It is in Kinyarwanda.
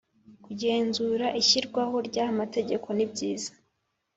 kugenzura ishyirwaho rya amategeko nibyiza